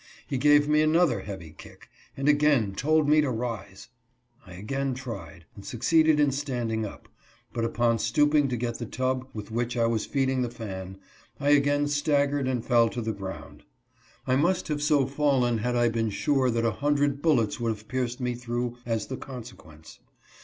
He gave me another heavy kick, and again told me to rise. I again tried, and succeeded in standing up ; but upon stooping to get the tub with which I was feeding the fan I again staggered and fell to the ground. I must have so fallen had I been sure that a hundred bullets would have pierced me through as the consequence.